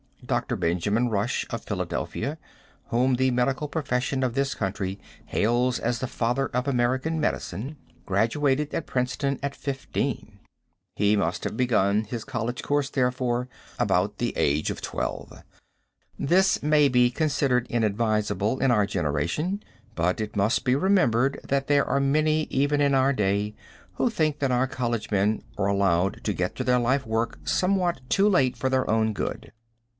Dr. Benjamin Rush, of Philadelphia, whom the medical profession of this country hails as the Father of American Medicine, graduated at Princeton at 15. He must have begun his college course, therefore, about the age of 12. This may be considered inadvisable in our generation, but, it must be remembered that there are many even in our day, who think that our college men are allowed to get at their life work somewhat too late for their own good.